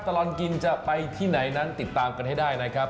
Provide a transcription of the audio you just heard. ตลอดกินจะไปที่ไหนนั้นติดตามกันให้ได้นะครับ